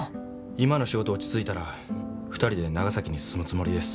今の仕事落ち着いたら２人で長崎に住むつもりです。